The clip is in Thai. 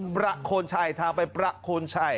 ประโคนชัยทางไปประโคนชัย